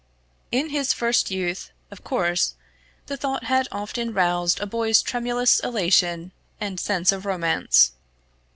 In his first youth, of course, the thought had often roused a boy's tremulous elation and sense of romance.